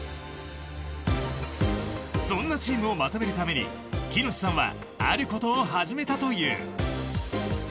そんなチームをまとめるために喜熨斗さんはあることを始めたという。